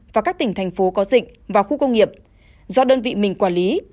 và các tỉnh thành phố có dịch và khu công nghiệp do đơn vị mình quản lý